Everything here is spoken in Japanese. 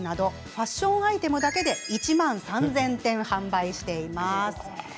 服や帽子、アクセサリーなどファッションアイテムだけで１万３０００点販売しています。